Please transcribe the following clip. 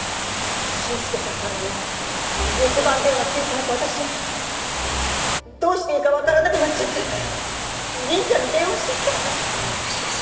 伸介さんからの留守番電話聞いたあと私どうしていいかわからなくなっちゃって銀ちゃんに電話しちゃったの。